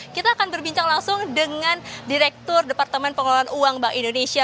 kita akan berbincang langsung dengan direktur departemen pengelolaan uang bank indonesia